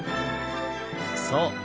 そう。